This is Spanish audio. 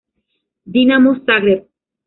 Dinamo Zagreb.